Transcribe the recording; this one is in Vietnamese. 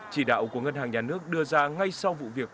chỉ đạo của ngân hàng nhà nước đưa ra ngay sau vụ việc